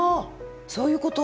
そういうこと？